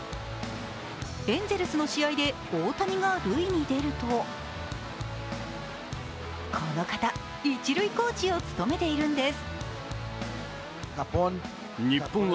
エンゼルスの試合で大谷が塁に出るとこの方、一塁コーチを務めているんです。